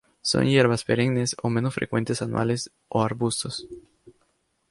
Son hierbas perennes, o menos frecuentemente anuales, o arbustos.